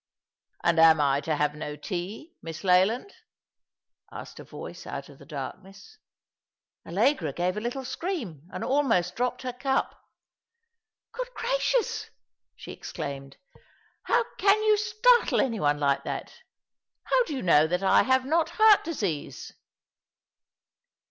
" And am I to have no tea, Miss Leland ?" asked a voice out of the darkness. Allegra gave a little scream, and almost dropped her cup. *' Good gracious !" she exclaimed. " How can you startle any one like that? How do you know that I have not heart disease?"